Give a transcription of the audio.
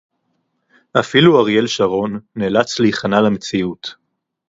אפילו אריאל שרון נאלץ להיכנע למציאות